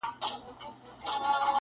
ما چي توبه وکړه اوس ناځوانه راته و ویل-